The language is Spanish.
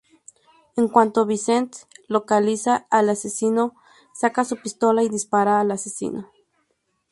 En cuanto Vincent localiza al asesino, saca su pistola y dispara al asesino.